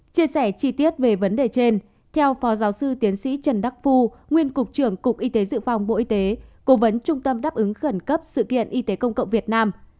chia sẻ chi tiết về vấn đề trên theo phó giáo sư tiến sĩ trần đắc phu nguyên cục trưởng cục y tế dự phòng bộ y tế cố vấn trung tâm đáp ứng khẩn cấp sự kiện y tế công cộng việt nam